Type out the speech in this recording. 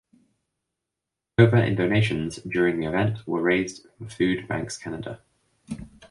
Over in donations during the event were raised for Food Banks Canada.